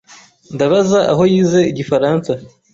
Ndabaza aho yize Igifaransa.